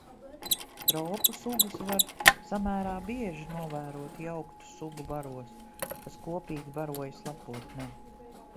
Tropu sugas var samērā bieži novērot jauktu sugu baros, kas kopīgi barojas lapotnē.